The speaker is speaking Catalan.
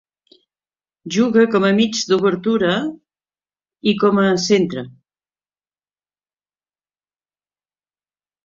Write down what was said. Juga com a mig d'obertura i com a centre.